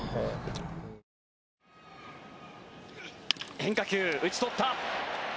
変化球、打ち取った。